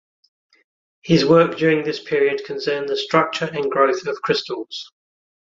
His work during this period concerned the structure and growth of crystals.